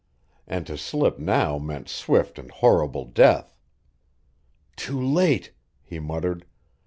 And to slip now meant swift and horrible death. "Too late!" he muttered.